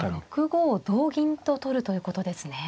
６五同銀と取るということですね。